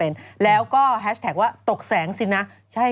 นั่นไง